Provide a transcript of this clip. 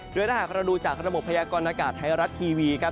โดยถ้าหากเราดูจากระบบพยากรณากาศไทยรัฐทีวีครับ